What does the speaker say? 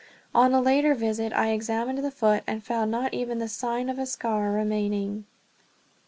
On a later visit I examined the foot, and found not even the sign of a scar remaining.